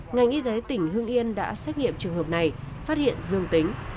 ngành y tế tỉnh hưng yên đã xét nghiệm trường hợp này phát hiện dương tính